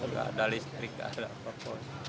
gak ada listrik gak ada apa apa